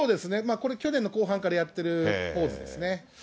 これ、去年の後半からやってるポーズですね。